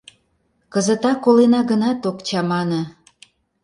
Кызытак колена гынат, ок чамане.